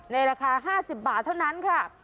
ราคา๕๐บาทเท่านั้นค่ะ